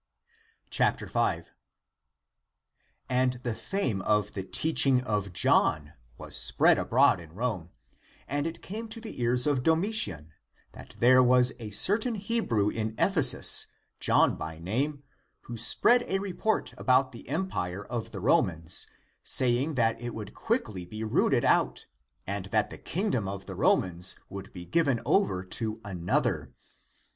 5. And the fame of the teaching of John was spread abroad in Rome; and it came to the ears of Domitian, that there was a certain Hebrew in Ephesus, John by name,^ who spread a report about the empire of the Romans, saying that it would cjuickly be rooted out, and that the Kingdom of the Romans would be given over to another.